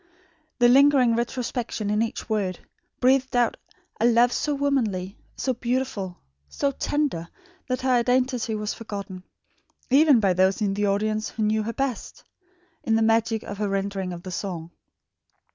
The lingering retrospection in each word; breathed out a love so womanly, so beautiful, so tender, that her identity was forgotten even by those in the audience who knew her best in the magic of her rendering of the song.